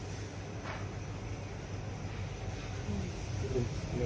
ติดลูกคลุม